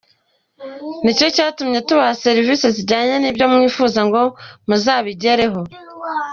Ni cyo cyatuma tubaha serivisi zijyanye n’ibyo mwifuza ngo muzabigereho.